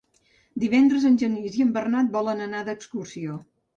Divendres en Genís i en Bernat volen anar d'excursió.